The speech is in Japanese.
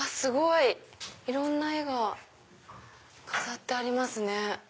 いろんな絵が飾ってありますね。